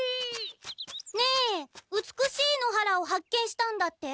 ねえ美しい野原を発見したんだって？